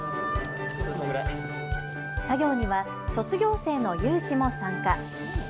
作業には卒業生の有志も参加。